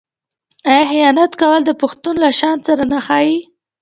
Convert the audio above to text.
آیا خیانت کول د پښتون له شان سره نه ښايي؟